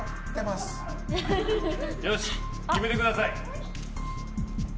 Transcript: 決めてください。